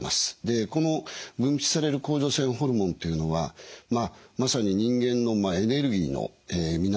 この分泌される甲状腺ホルモンっていうのはまさに人間のエネルギーの源。